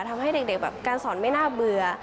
ทำให้เด็กแบบการสอนไม่น่าเบื่อ